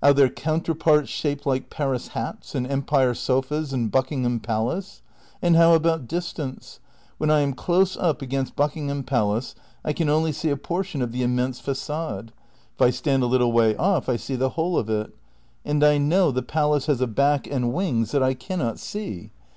Are there counterparts shaped like Paris hats and Empire sofas and Buckingham Palace? And how about dis tance ? When I am close up against Buckingham Palace I can only see a portion of the immense facade. If I stand a little way off I see the whole of it. And I know the Palace has a back and wings that I cannot see.